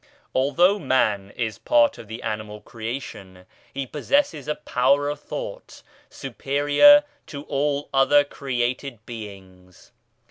Although man is part of the animal creation, he possesses a power of thought superior to all other created beings.